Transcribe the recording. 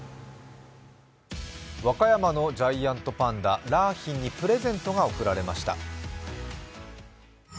和歌山のジャイアントパンダ、良浜にプレゼントが贈られました。